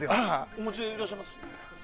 お持ちでいらっしゃいます？